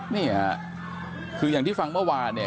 นี่ค่ะคืออย่างที่ฟังเมื่อวานเนี่ย